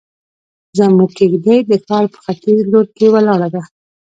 زموږ کيږدۍ د ښار په ختيز لور کې ولاړه ده.